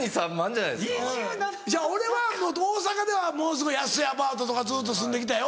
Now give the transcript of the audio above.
ちゃう俺は大阪ではものすごい安いアパートとかずっと住んで来たよ。